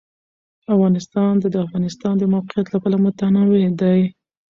افغانستان د د افغانستان د موقعیت له پلوه متنوع دی.